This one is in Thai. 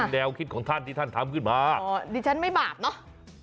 อ๋อดิฉันไม่บาปเนอะ